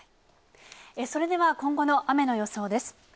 それでは、今後の雨の予想です。